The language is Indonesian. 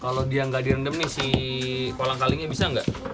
kalau dia nggak direndam si kolang kalinya bisa nggak